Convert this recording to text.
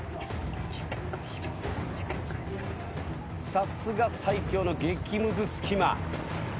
さすが最強の激むず隙間。